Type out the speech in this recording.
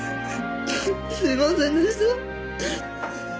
すいませんでした！